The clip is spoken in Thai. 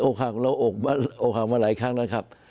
หักเราอกหักมาหลายครั้งแล้วครับ